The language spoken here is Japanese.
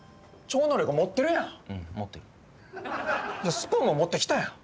スプーンも持ってきたやん。